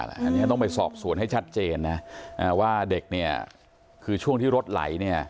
อันนี้ต้องไปสอบสวนให้ชัดเจนนะว่าเด็กเนี่ยคือช่วงที่รถไหลเนี่ย